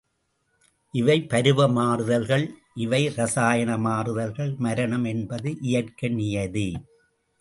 இவை பருவ மாறுதல்கள் இவை ரசாயன மாறு தல்கள், மரணம் என்பது இயற்கை நியதி.